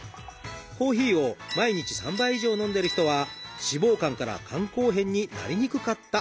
コーヒーを毎日３杯以上飲んでる人は脂肪肝から肝硬変になりにくかったという研究結果があります。